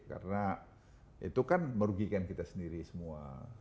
karena itu kan merugikan kita sendiri semua